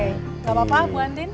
tidak apa apa bu atin